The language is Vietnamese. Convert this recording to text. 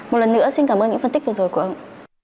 một lần nữa xin cảm ơn những phân tích vừa rồi của ông